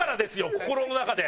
心の中で。